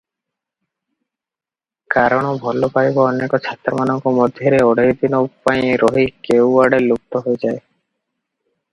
କାରଣ ଭଲପାଇବା ଅନେକ ଛାତ୍ରମାନଙ୍କ ମଧ୍ୟରେ ଅଢ଼େଇଦିନ ପାଇଁ ରହି କେଉଁଆଡ଼େ ଲୁପ୍ତ ହୋଇଯାଏ ।